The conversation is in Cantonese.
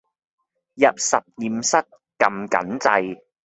入實驗室㩒緊掣